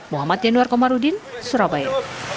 muhammad yanuar komarudin surabaya